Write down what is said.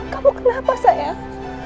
kamu kenapa sayang